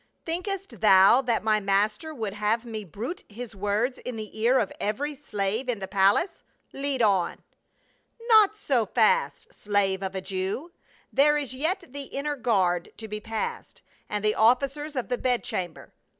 Thinkest thou that my master would have me bruit his words in the ear of every slave in the palace ? Lead on." " Not so fast, slave of a Jew ; there is yet the inner guard to be passed, and the officers of the bed cham ber.